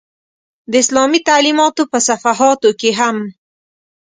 د اسلامي تعلمیاتو په صفحاتو کې هم.